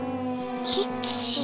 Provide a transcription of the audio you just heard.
キッチン？